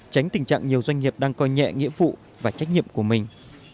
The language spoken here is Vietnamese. tránh tình trạng nhiều doanh nghiệp đang coi nhẹ nghĩa phụ và trách nhiệm của mình